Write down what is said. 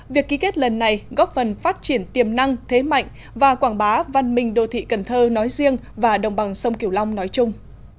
việc ký kết lần này góp phần phát triển tiềm năng thế mạnh và quảng bá văn minh đô thị cần thơ nói riêng và đồng bằng sông kiều long nói chung